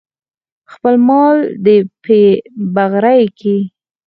خپل مال دې پې بغرۍ که.